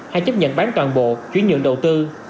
hay chấp nhận bán toàn bộ chuyển nhượng đầu tư